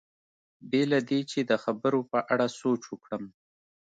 بې له دې چې د خبرو په اړه سوچ وکړم.